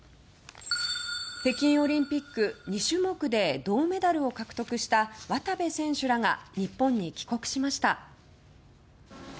北京オリンピック２種目で銅メダルを獲得した渡部選手らが日本に帰国しました。